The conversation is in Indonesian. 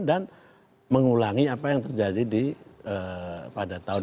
dan mengulangi apa yang terjadi pada tahun dua ribu dua puluh